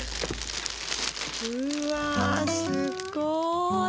うわすっごーい！